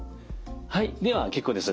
はいでは結構です。